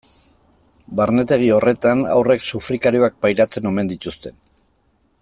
Barnetegi horretan haurrek sufrikarioak pairatzen omen dituzte.